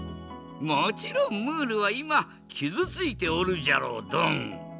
もちろんムールはいまきずついておるじゃろうドン。